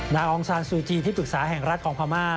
องซานซูจีที่ปรึกษาแห่งรัฐของพม่า